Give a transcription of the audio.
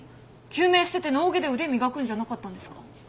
救命捨てて脳外で腕磨くんじゃなかったんですか？